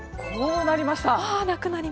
なくなりました！